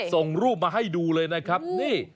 ส่งรูปมาให้ดูเลยนะครับนี่